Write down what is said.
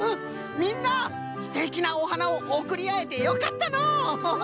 みんなすてきなおはなをおくりあえてよかったのう。